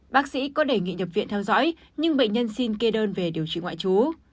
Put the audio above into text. bác sĩ có đề nghị nhập viện theo dõi nhưng bệnh nhân xin kê đơn về điều trị ngoại trú